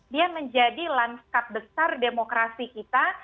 dia menjadi lanskap besar demokrasi kita